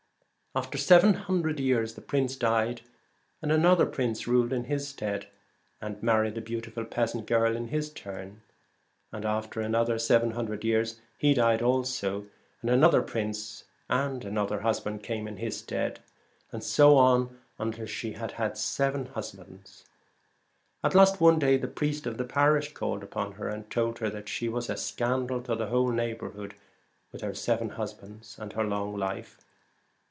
After seven hundred years the prince died, and another prince ruled in his stead and married the beautiful peasant girl in his turn ; and after another seven hundred years he died also, and another prince and another husband came in his stead, and so on until she had had seven husbands. At last one day the priest of the parish called upon her, and told her that she was a scandal to the whole neighbourhood with her seven husbands and her long life.